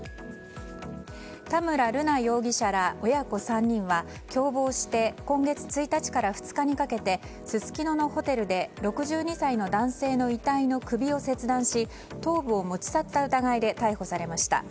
田村瑠奈容疑者ら親子３人は共謀して今月１日から２日にかけてすすきののホテルで６２歳の男性の遺体の首を切断し頭部を持ち去った疑いで逮捕されました。